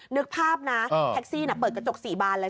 นึกภาพนะแท็กซี่เปิดกระจก๔บานเลย